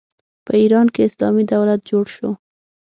په ایران کې اسلامي دولت جوړ شو.